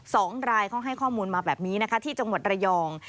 สองรายเขาให้ข้อมูลมาแบบนี้นะคะที่จังหวัดระยอง